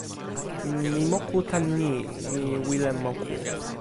mi moku tan ni: mi wile moku.